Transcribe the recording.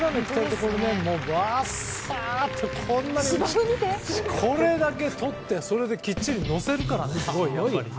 これだけとって、それできっちり乗せるからすごい。